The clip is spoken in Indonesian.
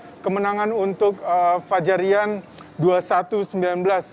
fajar dan rian menangkan untuk fajar dan rian dua puluh satu sembilan belas